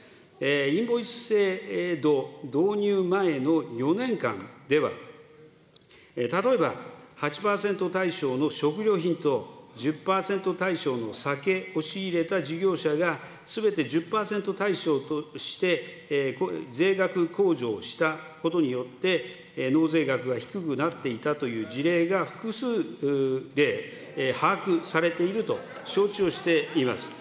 インボイス制度導入前の４年間では、例えば、８％対象の食料品と、１０％対象の酒を仕入れた事業者が、すべて１０％対象として税額控除をしたことによって、納税額は低くなっていたという事例が複数例把握されていると承知をしています。